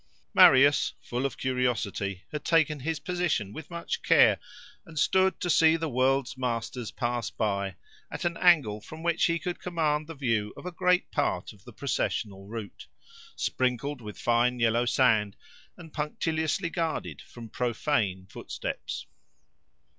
Marius, full of curiosity, had taken his position with much care; and stood to see the world's masters pass by, at an angle from which he could command the view of a great part of the processional route, sprinkled with fine yellow sand, and punctiliously guarded from profane footsteps.